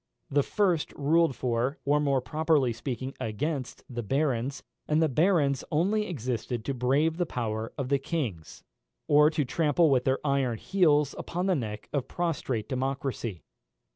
The first ruled for, or more properly speaking against, the barons, and the barons only existed to brave the power of the kings, or to trample with their iron heels upon the neck of prostrate democracy.